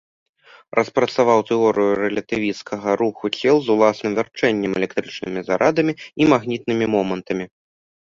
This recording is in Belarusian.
Распрацаваў тэорыю рэлятывісцкага руху цел з уласным вярчэннем, электрычнымі зарадамі і магнітнымі момантамі.